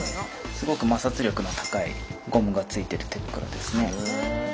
すごく摩擦力の高いゴムがついてる手袋ですね。